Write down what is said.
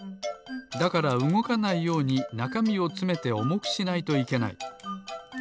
だからうごかないようになかみをつめておもくしないといけない。